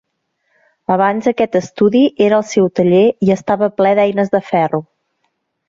Abans aquest estudi era el seu taller i estava ple d'eines de ferro.